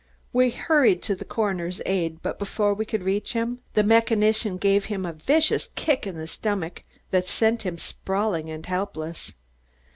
We hurried to the coroner's aid, but before we could reach him, the mechanician gave him a vicious kick in the stomach that sent him sprawling and helpless.